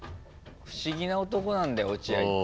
不思議な男なんだよ落合って。